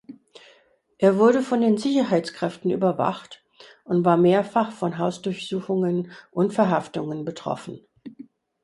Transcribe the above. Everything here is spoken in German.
Er wurde von den Sicherheitskräften überwacht und war mehrfach von Hausdurchsuchungen und Verhaftungen betroffen.